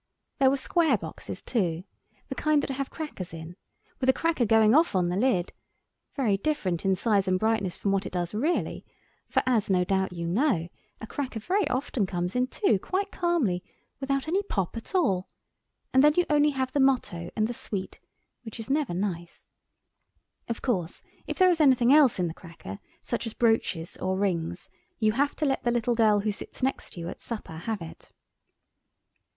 There were square boxes, too—the kind that have crackers in—with a cracker going off on the lid, very different in size and brightness from what it does really, for, as no doubt you know, a cracker very often comes in two quite calmly, without any pop at all, and then you only have the motto and the sweet, which is never nice. Of course, if there is anything else in the cracker, such as brooches or rings, you have to let the little girl who sits next you at supper have it.